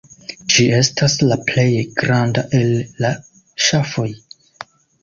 Ĝi estas la plej granda el la ŝafoj.